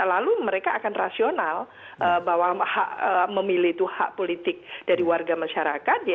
lalu mereka akan rasional bahwa hak memilih itu hak politik dari warga masyarakat